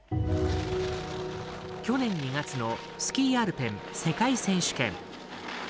去年２月のスキーアルペン世界選手権。